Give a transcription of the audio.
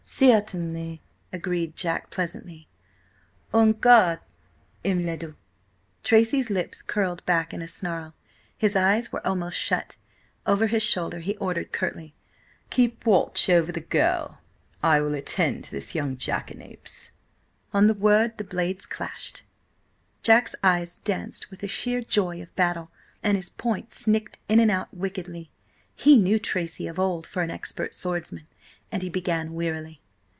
"Certainly," agreed Jack pleasantly. "On guard, M. le Duc!" Tracy's lips curled back in a snarl. His eyes were almost shut. Over his shoulder he ordered curtly: "Keep watch over the girl. I will attend to this young jackanapes." On the word the blades clashed. Jack's eyes danced with the sheer joy of battle, and his point snicked in and out wickedly. He knew Tracy of old for an expert swordsman, and he began warily.